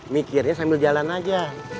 mikirnya sambil jalan aja